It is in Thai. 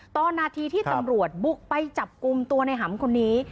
ตอนนาทีที่ตำรวจบุกไปจับกุมตัวในหัมภ์คนนี้